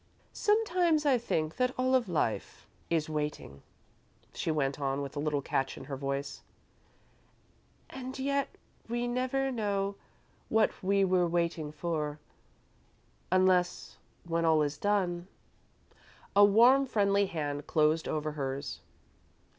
"Sometimes I think that all of Life is waiting," she went on, with a little catch in her voice, "and yet we never know what we were waiting for, unless when all is done " A warm, friendly hand closed over hers.